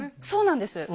そうなんです。